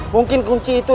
mungkin kunci itu